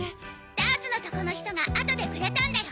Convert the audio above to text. ダーツのとこの人が後でくれたんだよ。